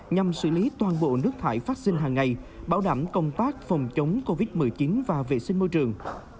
nhằm xử lý toàn bộ nước thải phát sinh hàng ngày bảo đảm công tác phòng chống covid một mươi chín và vệ sinh môi trường